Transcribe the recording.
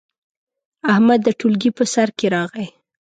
احمد د ټولګي په سر کې راغی.